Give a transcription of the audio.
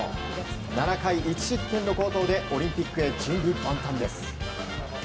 ７回１失点の好投でオリンピックへ準備万端です。